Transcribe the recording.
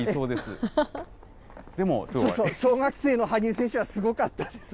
小学生の羽生選手はすごかったです。